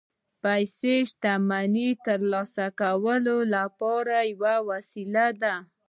پیسې د شتمنۍ ترلاسه کولو لپاره یوه وسیله ده